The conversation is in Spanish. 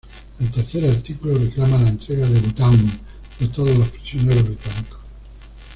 El tercer artículo reclama la entrega de Bután de todos los prisioneros británicos.